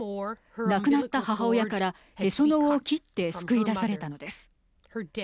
亡くなった母親からへその緒を切って救い出されたのです。